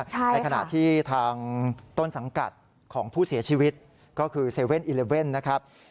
ในขณะที่ทางต้นสังกัดของผู้เสียชีวิตก็คือ๗๑๑นะครับ